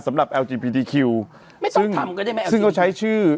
สำหรับเอลจีปีทีคิวไม่ต้องทำกันได้ไหมซึ่งเขาใช้ชื่อ